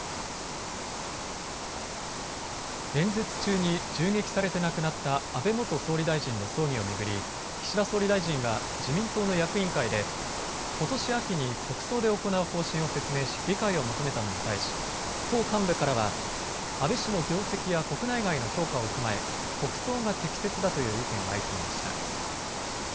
演説中に銃撃されて亡くなった安倍元総理大臣の葬儀を巡り岸田総理大臣は自民党の役員会でことし秋に国葬で行う方針を説明し理解を求めたのに対し党幹部からは、安倍氏の業績や国内外の評価を踏まえ国葬が適切だという意見が相次ぎました。